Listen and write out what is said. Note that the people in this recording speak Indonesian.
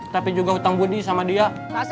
tapi juga hutang budi sama dia